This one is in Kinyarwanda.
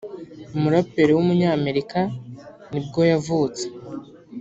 umuraperi w’umunyamerika nibwo yavutse